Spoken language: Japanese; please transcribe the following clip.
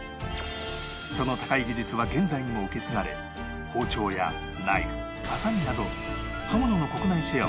その高い技術は現在にも受け継がれ包丁やナイフハサミなど